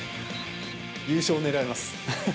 優勝を狙えます。